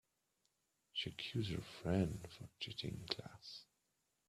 She accuse her friend for cheating in class.